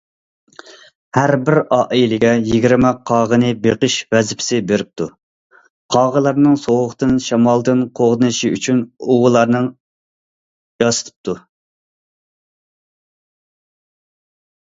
ھەربىر ئائىلىگە يىگىرمە قاغىنى بېقىش ۋەزىپىسىنى بېرىپتۇ، قاغىلارنىڭ سوغۇقتىن، شامالدىن قوغدىنىشى ئۈچۈن ئۇۋىلارنىڭ ياسىتىپتۇ.